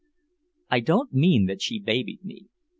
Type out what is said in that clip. I don't mean that she babied me.